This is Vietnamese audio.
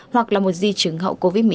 hoặc là một di chứng hậu covid một mươi chín